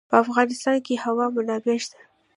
په افغانستان کې د هوا منابع شته.